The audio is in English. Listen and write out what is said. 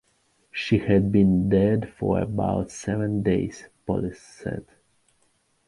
She had been dead for about seven days, police said.